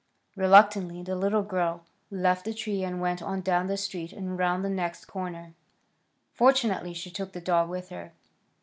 Reluctantly the little girl left the tree and went on down the street and around the next corner. Fortunately she took the dog with her.